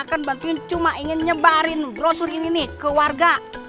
a a kan cuma ingin nyebarin brosur ini nih ke warga